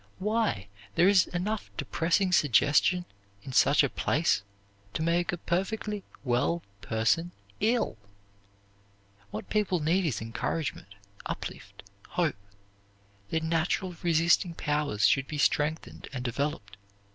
Why, there is enough depressing suggestion in such a place to make a perfectly well person ill! What people need is encouragement, uplift, hope. Their natural resisting powers should be strengthened and developed.